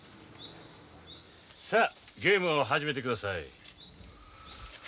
さあゲームを始めてください。